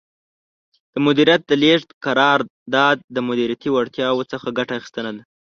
د مدیریت د لیږد قرار داد د مدیریتي وړتیاوو څخه ګټه اخیستنه ده.